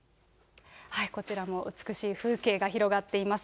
こちらも美しい風景が広がっています。